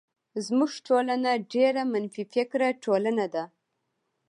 زمونږ ټولنه ډيره منفی فکره ټولنه ده.